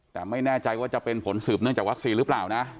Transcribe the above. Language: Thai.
แต่ไม่แน่ใจว่าจะเป็นผลสืบเนื่องจากวัคซีนหรือเปล่านะ